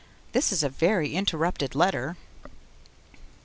This is a very interrupted letter.)